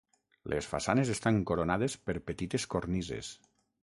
Les façanes estan coronades per petites cornises.